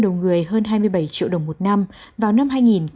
tăng đầu người hơn hai mươi bảy triệu đồng một năm vào năm hai nghìn một mươi ba